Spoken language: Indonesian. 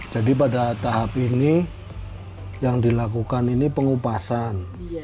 jadi pada tahap ini yang dilakukan ini pengupasan